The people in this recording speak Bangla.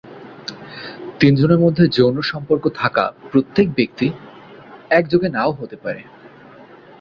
তিনজনের মধ্যে যৌন সম্পর্ক থাকা প্রত্যেক ব্যক্তি, একযোগে নাও হতে পারে।